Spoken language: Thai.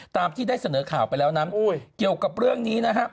ตามที่ได้เสนอข่าวไปแล้วนั้นเกี่ยวกับเรื่องนี้นะครับ